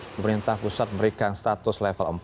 pemerintah pusat memberikan status level empat